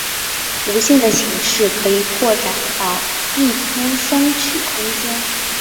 无限的形式可以扩展到密铺双曲空间。